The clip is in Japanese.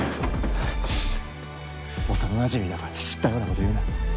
幼なじみだからって知ったような事言うな。